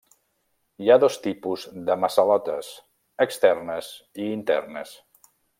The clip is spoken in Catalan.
Hi ha dos tipus de massalotes: externes i internes.